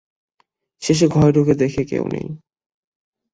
শেষে ঘরে ঢুকে দেখে কেউ নেই।